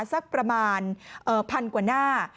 สักประมาณ๑๐๐กว่าหน้า